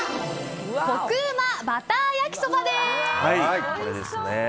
コクうまバター焼きそばです。